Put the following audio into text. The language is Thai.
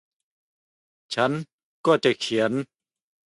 ฉันก็จะเขียน